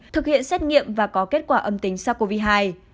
thực hiện xét nghiệm và có kết quả âm tính sau covid hai